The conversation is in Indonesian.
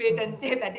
tadi sebut mas hadir